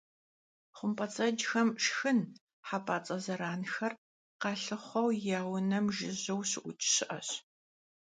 ХъумпӀэцӀэджхэм шхын - хьэпӀацӀэ зэранхэр - къалъыхъуэу я «унэм» жыжьэу щыӀукӀ щыӀэщ.